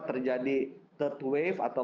terjadi third wave atau